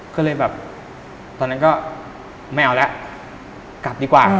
ก็เลยแบบตอนนั้นก็ไม่เอาแล้วกลับดีกว่า